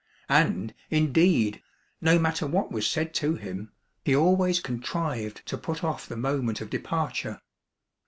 And, indeed, no matter what was said to him, he always contrived to put off the moment of departure.